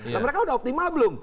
nah mereka sudah optimal belum